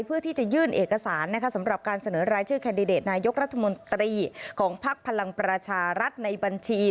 เพื่อที่จะยื่นเอกสารสำหรับการเสนอรายชื่อแคนดิเดตนายกรัฐมนตรีของภักดิ์พลังประชารัฐในบัญชี